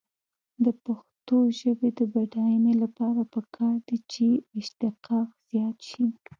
د پښتو ژبې د بډاینې لپاره پکار ده چې اشتقاق زیات شي.